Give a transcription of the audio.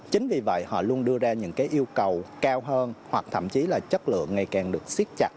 chính vì vậy họ luôn đưa ra những yêu cầu cao hơn hoặc thậm chí là chất lượng ngày càng được siết chặt